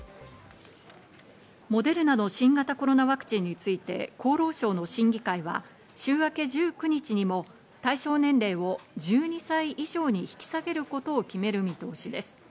モデルナの新型コロナワクチンについて厚労省の審議会は週明け１９日にも対象年齢を１２歳以上に引き下げることを決める見通しです。